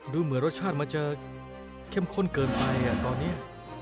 ดูเหมือนรสชาติมันจะเข้มข้นเกินไปตอนนี้